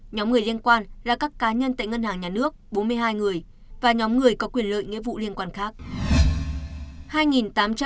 nhóm người liên quan là các cá nhân tại ngân hàng nhà nước bốn mươi hai người và nhóm người có quyền lợi nghĩa vụ liên quan khác